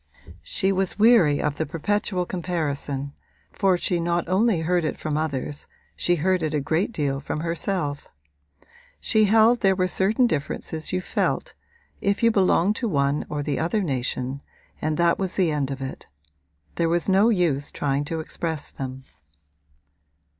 She was weary of the perpetual comparison, for she not only heard it from others she heard it a great deal from herself. She held that there were certain differences you felt, if you belonged to one or the other nation, and that was the end of it: there was no use trying to express them.